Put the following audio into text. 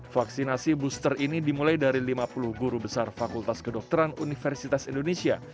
vaksinasi booster ini dimulai dari lima puluh guru besar fakultas kedokteran universitas indonesia